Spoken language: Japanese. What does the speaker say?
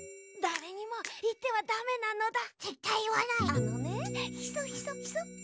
あのねヒソヒソヒソ。